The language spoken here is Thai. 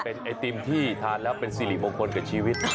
เป็นไอติมที่ทานแล้วเป็นสิริมงคลกับชีวิต